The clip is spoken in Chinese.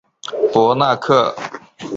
博纳克。